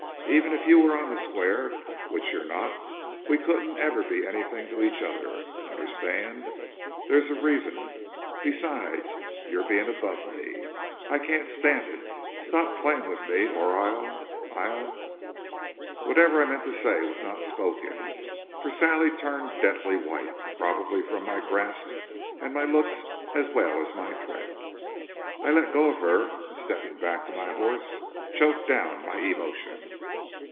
Even if you were on the square, which you're not, we couldn't ever be anything to each other. Understand? There's a reason, besides your being above me. I can't stand it. Stop playing with me or I'll I'll..." Whatever I meant to say was not spoken, for Sally turned deathly white, probably from my grasp and my looks as well as my threat. I let go of her, and stepping back to my horse choked down my emotion.